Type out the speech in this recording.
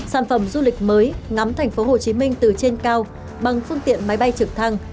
sản phẩm du lịch mới ngắm tp hcm từ trên cao bằng phương tiện máy bay trực thăng